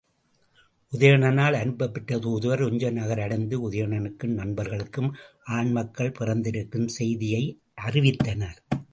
உதயணனால் அனுப்பப் பெற்ற தூதுவர், உஞ்சை நகரடைந்து உதயணனுக்கும் நண்பர்களுக்கும் ஆண் மக்கள் பிறந்திருக்கும் செய்தியை அறிவித்தனர்.